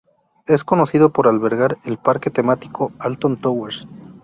Es conocido por albergar el parque temático Alton Towers.